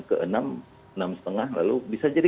ke enam enam lima lalu bisa jadi